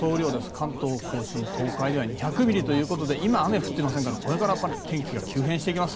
関東・甲信、東海は２００ミリということで今、雨が降っていませんからこれから天気が急変してきます。